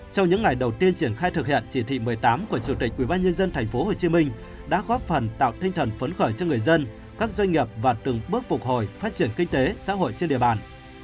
trong những ngày đầu tiên triển khai thực hiện chỉ thị một mươi tám của chủ tịch ubnd tp hcm đã góp phần tạo tinh thần phấn khởi cho người dân các doanh nghiệp và từng bước phục hồi phát triển kinh tế xã hội trên địa bàn